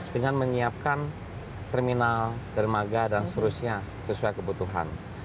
dengan menyiapkan terminal dermaga dan seterusnya sesuai kebutuhan